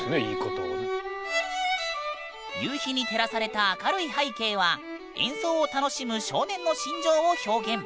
夕日に照らされた明るい背景は演奏を楽しむ少年の心情を表現。